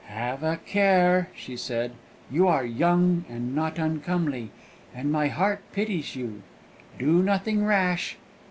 "Have a care!" she said; "you are young and not uncomely, and my heart pities you. Do nothing rash.